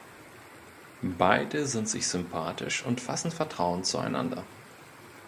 Beide sind sich sympathisch und fassen Vertrauen zueinander.